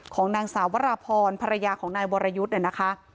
ของนางสาวราภรภรรยาของนายโวหชยุดนะคะ